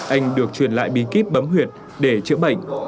anh được truyền lại bí kíp bấm huyệt để chữa bệnh